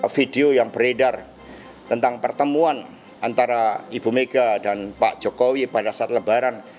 video yang beredar tentang pertemuan antara ibu mega dan pak jokowi pada saat lebaran